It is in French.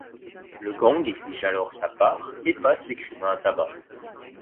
Le gang exige alors sa part et passe l'écrivain à tabac.